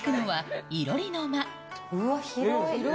うわっ、広い。